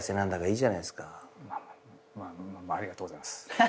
まあまあありがとうございます。